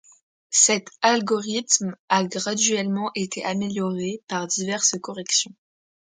Cet algorithme a graduellement été amélioré par diverses corrections.